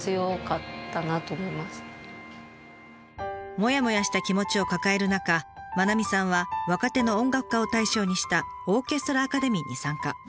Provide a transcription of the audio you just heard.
もやもやした気持ちを抱える中愛さんは若手の音楽家を対象にしたオーケストラ・アカデミーに参加。